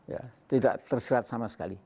ya tidak terserat sama sekali